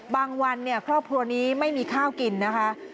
บางวันครอบครัวนี้ไม่มีข้าวกินนะคะ